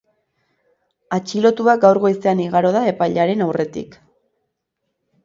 Atxilotua gaur goizean igaro da epailearen aurretik.